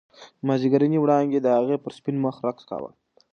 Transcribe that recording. مازیګرنۍ وړانګې د هغې پر سپین مخ رقص کاوه.